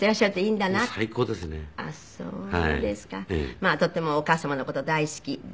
まあとってもお母様の事大好きで。